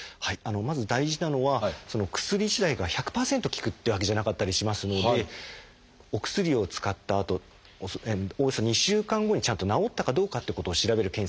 まず大事なのは薬自体が１００％効くってわけじゃなかったりしますのでお薬を使ったあとおよそ２週間後にちゃんと治ったかどうかってことを調べる検査が必要になってきます。